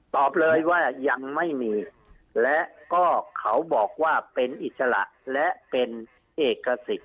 ตอบเลยว่ายังไม่มีและก็เขาบอกว่าเป็นอิสระและเป็นเอกสิทธิ์